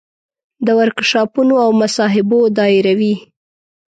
د ورکشاپونو او مصاحبو دایروي.